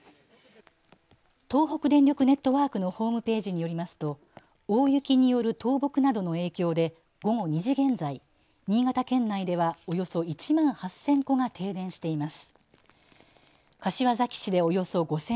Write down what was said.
東北電力ネットワークのホームページによりますと大雪による倒木などの影響で午後２時現在、新潟県内ではおよそ１万８０００戸が停電しています。